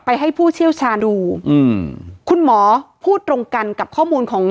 ให้ผู้เชี่ยวชาดูอืมคุณหมอพูดตรงกันกับข้อมูลของ